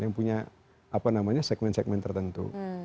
yang punya segmen segmen tertentu